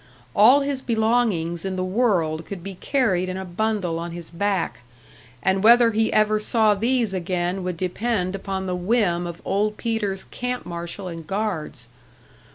All his belongings in the world could be carried in a bundle on his back, and whether he ever saw these again would depend upon the whim of old Peter's camp marshal and guards.